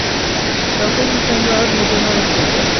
তখন তোমরা ধৈর্য ধারণ করবে।